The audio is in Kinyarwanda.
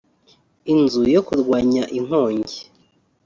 inzu yo kurwanya inkongi